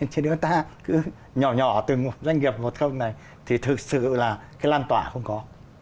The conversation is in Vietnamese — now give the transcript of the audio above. chứ nếu ta cứ nhỏ nhỏ từng doanh nghiệp một không này thì thực sự là cái lan tỏa không có